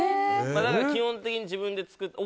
基本的に自分で作って。